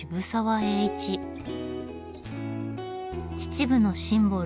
秩父のシンボル